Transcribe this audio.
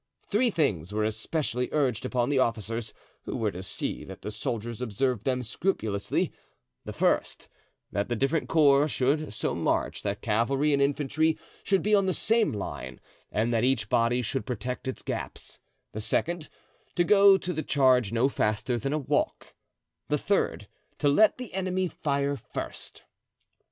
Three things were especially urged upon the officers, who were to see that the soldiers observed them scrupulously: the first, that the different corps should so march that cavalry and infantry should be on the same line and that each body should protect its gaps; the second, to go to the charge no faster than a walk; the third, to let the enemy fire first.